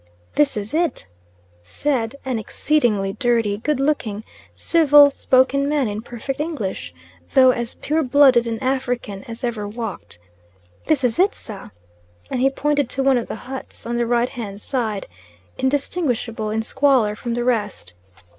"This is it," said an exceedingly dirty, good looking, civil spoken man in perfect English, though as pure blooded an African as ever walked. "This is it, sir," and he pointed to one of the huts on the right hand side, indistinguishable in squalor from the rest.